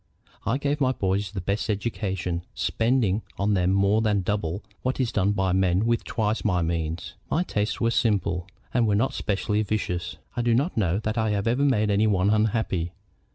I gave my boys the best education, spending on them more than double what is done by men with twice my means. My tastes were all simple, and were not specially vicious. I do not know that I have ever made any one unhappy.